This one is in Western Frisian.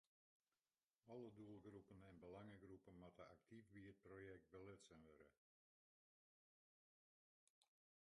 Alle doelgroepen en belangegroepen moatte aktyf by it projekt belutsen wurde.